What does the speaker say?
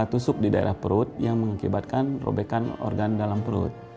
tusuk di daerah perut yang mengakibatkan robekan organ dalam perut